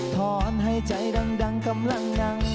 ถอนให้ใจดังกำลังดัง